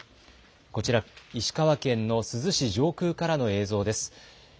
こちら、石川県の珠洲市上空からの映像です。